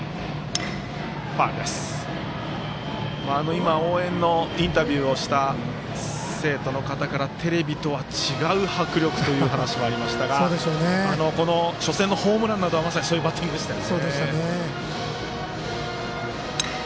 今、応援のインタビューをした生徒の方からテレビとは違う迫力というお話もありましたが初戦のホームランなどはまさにそういうバッティングでしたね。